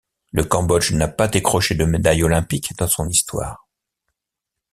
Le Cambodge n'a pas décroché de médaille olympique dans son histoire.